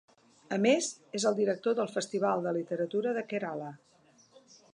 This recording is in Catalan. A més, és el director del Festival de Literatura de Kerala.